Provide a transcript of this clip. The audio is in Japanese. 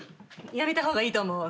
やめた方がいいと思う。